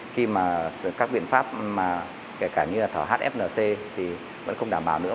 khi mà các biện pháp kể cả như thở hfnc thì vẫn không đảm bảo nữa